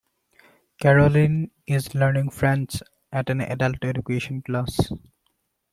Caroline is learning French at an adult education class